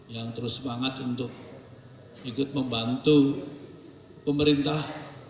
yang terus semangat untuk ikut membantu pemerintah